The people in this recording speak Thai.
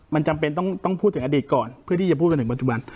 มันจำเป็นต้องพูดถึงอดีตก่อนเพื่อที่จะพูดมาถึงปัจจุบัน